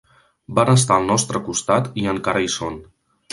Van estar al nostre costat i encara hi són.